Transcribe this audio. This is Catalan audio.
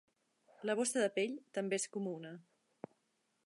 La bossa de pell també és comuna.